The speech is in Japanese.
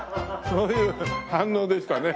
そういう反応でしたね。